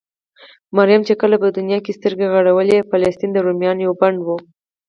مريم چې کله په دونيا کې سترګې غړولې؛ فلسطين د روميانو يوه بانډه وه.